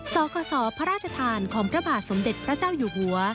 สขพระราชทานของพระบาทสมเด็จพระเจ้าอยู่หัว